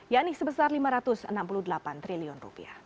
yakni sebesar rp lima ratus enam puluh delapan triliun